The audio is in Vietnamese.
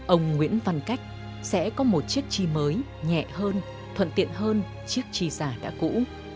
ông nguyễn văn cách sẽ có một chiếc chi mới nhẹ hơn thuận tiện hơn chiếc chi giả đã cũ